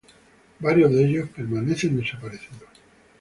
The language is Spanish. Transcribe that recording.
Varios de ellos permanecen desaparecidos.